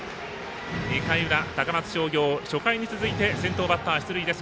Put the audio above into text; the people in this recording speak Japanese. ２回裏、高松商業初回に続いて先頭バッター出塁です。